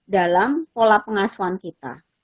dalam pola pengasuhan kita